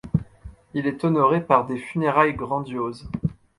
Il est honoré par des funérailles grandioses.